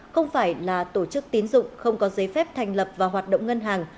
không phải là tổ chức tín dụng không có giấy phép thành lập và hoạt động ngân hàng